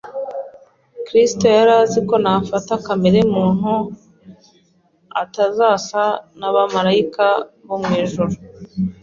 Kristo yari azi ko nafata kamere muntu atazasa n’abamarayika bo mu ijuru.